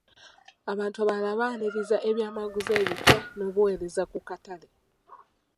Abantu abalala baanirizza eby'amaguzi ebipya n'obuweereza ku katale.